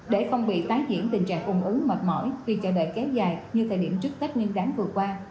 để không bị tái diễn tình trạng ủng ứng mệt mỏi khi chờ đợi kéo dài như thời điểm trước tết niên đáng vừa qua